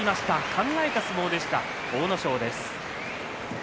考えた相撲でした阿武咲です。